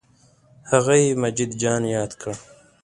هغه یې مجید جان یاد کړ.